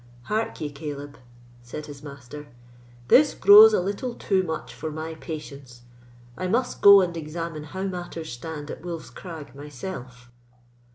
"Hark ye, Caleb," said his master, "this grows a little too much for my patience. I must go and examine how matters stand at Wolf's Crag myself."